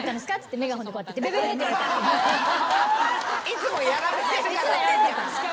いつもやられてるから。